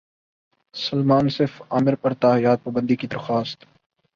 سلمان صف عامر پر تاحیات پابندی کی درخواست